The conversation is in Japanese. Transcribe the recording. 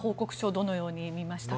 どのように見ましたか？